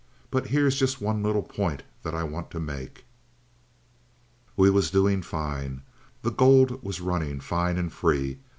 But here's just one little point that I want to make. "We was doing fine. The gold was running fine and free.